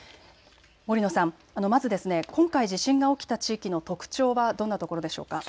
森野さん、まず今回地震が起きた地域の特徴はどんなところでしょうか。